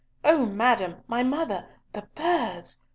O madam, my mother, the birds!